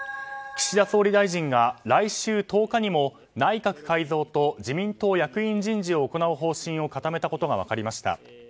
岸田総理大臣が来週１０日にも内閣改造と自民党役員人事を行う方針を固めたことが分かりました。